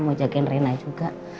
mau jagain rena juga